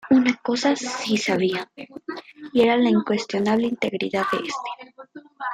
Una cosa si sabía, y era la incuestionable integridad de este.